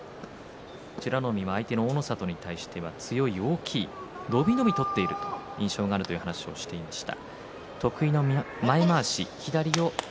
美ノ海は相手の大の里に対しては強い、大きい、伸び伸び取っているという印象があるという話をしていました。